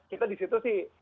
kita di situ sih